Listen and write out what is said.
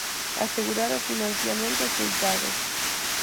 Asegurar o financiamento axeitado.